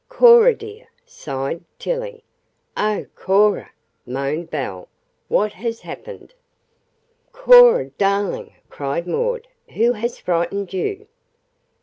"Cora, dear!" sighed Tillie. "Oh, Cora!" moaned Belle. "What has happened?" "Cora, darling," cried Maud, "who has frightened you?"